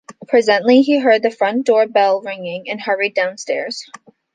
Presently he heard the front-door bell ringing, and hurried downstairs.